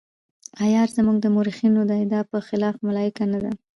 عیار زموږ د مورخینو د ادعا په خلاف ملایکه نه ده.